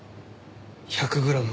１００グラム。